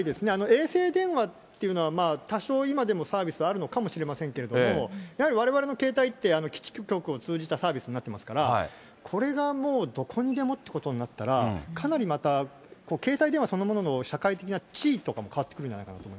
衛星電話っていうのは多少、今でもサービスあるのかもしれませんけれども、やはりわれわれの携帯って基地局を通じたサービスになってますから、これがもうどこにでもってことになったら、かなりまた、携帯電話そのものの社会的な地位とかも変わってくるんじゃないか